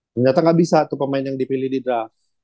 ternyata nggak bisa tuh pemain yang dipilih di draft